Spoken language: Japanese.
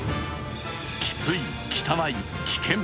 きつい・汚い・危険。